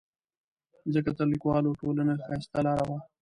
ځکه تر لیکوالو ټولنې ښایسته لاره وه.